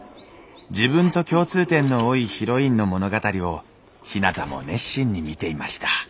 自分と共通点の多いヒロインの物語をひなたも熱心に見ていました